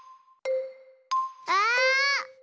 あ！